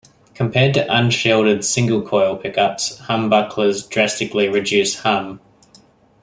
Compared to unshielded single coil pickups, humbuckers dramatically reduce hum.